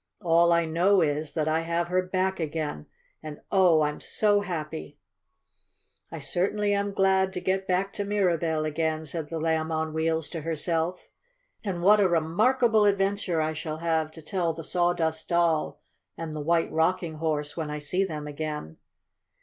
"All I know is that I have her back again, and, oh! I'm so happy!" "I certainly am glad to get back to Mirabell again," said the Lamb on Wheels to herself. "And what a remarkable adventure I shall have to tell the Sawdust Doll and the White Rocking Horse when I see them again!"